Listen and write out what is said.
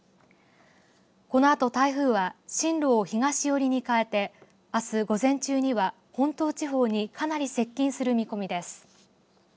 このあと、台風は進路を東寄りに変えてあす、午前中には本島地方にかなり接近する見込みです。